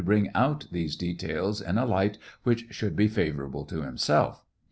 g^ bring out these details in a light which should be favorable to himself.